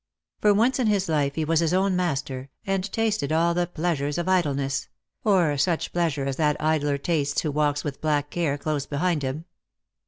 For once in his life he was his own master, and tasted all the pleasures of idleness ; or such pleasure as that idler tastes who walks with black Care close behind him.